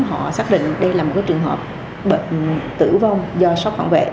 họ xác định đây là một trường hợp bệnh tử vong do sốc phản vệ